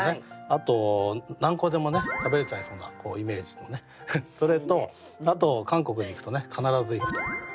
あと何個でも食べれちゃいそうなイメージもねそれとあと韓国に行くと必ず行くと。